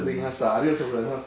ありがとうございます。